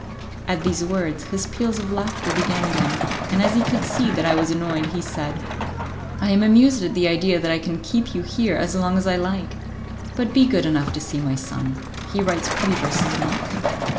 At these words, his peals of laughter began again, and as he could see that I was annoyed, he said, "I am amused at the idea that I can keep you here as long as I like. But be good enough to see my son; he writes pretty verses enough."